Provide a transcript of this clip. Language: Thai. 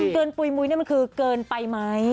เกินปุ่ยมุยนี่มันคือเกินไปไหม